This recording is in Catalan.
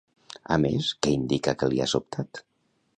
A més, què indica que li ha sobtat?